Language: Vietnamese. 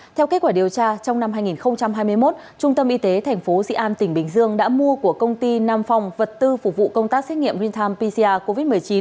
theo kết quả điều tra trong năm hai nghìn hai mươi một trung tâm y tế tp di an tỉnh bình dương đã mua của công ty nam phong vật tư phục vụ công tác xét nghiệm rintam pcr covid một mươi chín